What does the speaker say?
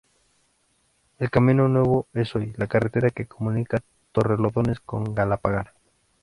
El camino nuevo es hoy la carretera que comunica Torrelodones con Galapagar.